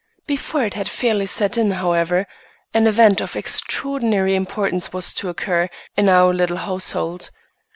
Before it had fairly set in, however, an event of extraordinary importance was to occur in our little household.